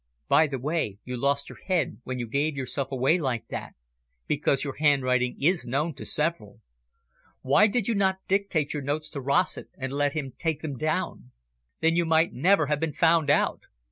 By the way, you lost your head when you gave yourself away like that, because your handwriting is known to several. Why did you not dictate your notes to Rossett and let him take them down? Then you might never have been found out."